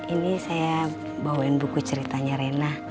ini saya bawain buku ceritanya rena